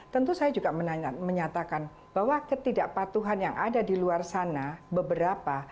tentu saya juga menyatakan bahwa ketidakpatuhan yang ada di luar sana beberapa